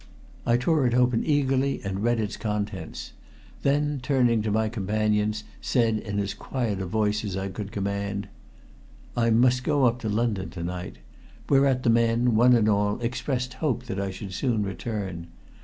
I tore it open eagerly, and read its contents. Then, turning to my companions, said in as quiet a voice as I could command "I must go up to London to night," whereat the men, one and all, expressed hope that I should soon return.